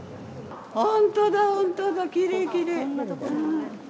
本当だ、本当だ、きれい、きれい。